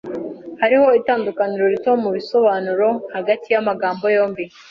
Hariho itandukaniro rito mubisobanuro hagati yamagambo yombi